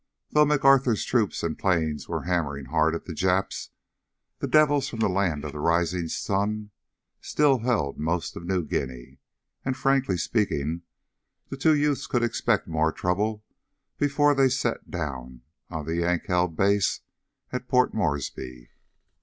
Though MacArthur's troops and planes were hammering hard at the Japs, the devils from the Land of the Rising Sun still held most of New Guinea. And, frankly speaking, the two youths could expect more trouble before they sat down on the Yank held base at Port Moresby.